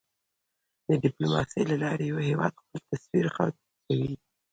د ډیپلوماسی له لارې یو هېواد خپل تصویر ښه کوی.